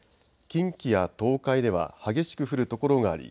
近畿や東海では激しく降る所があり